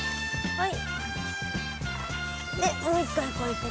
はい。